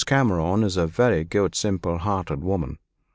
Cameron is a very good, simple hearted woman.